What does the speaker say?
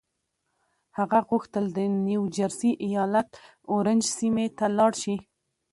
هغه غوښتل د نيو جرسي ايالت اورنج سيمې ته لاړ شي.